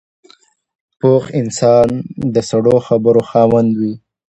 پوخ انسان د سړو خبرو خاوند وي